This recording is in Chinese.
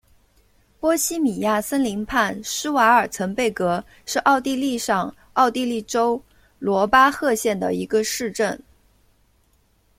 波希米亚森林畔施瓦尔岑贝格是奥地利上奥地利州罗巴赫县的一个市镇。